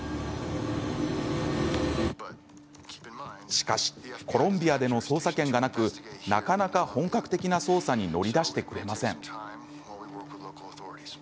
しかしコロンビアでの捜査権がなくなかなか本格的な捜査に乗り出してくれません。